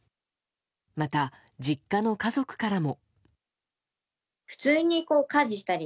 また、実家の家族からも。